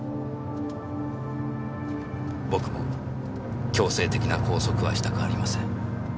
僕も強制的な拘束はしたくありません。